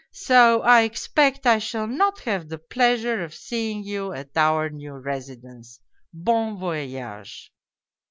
So I expect I shall not. have the pleasure of seeing you at our new residence. Bon voyage